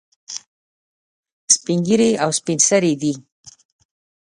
سپین ږیري او سپین سرې دي.